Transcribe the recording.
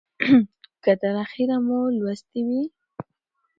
که تر اخیره مو لوستې وي